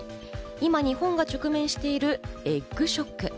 今、日本が直面しているエッグショック。